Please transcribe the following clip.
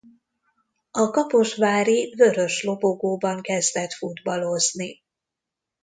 A Kaposvári Vörös Lobogóban kezdett futballozni.